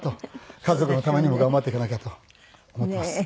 家族のためにも頑張っていかなきゃと思ってます。